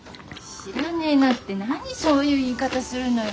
知らねえなって何そういう言い方するのよ。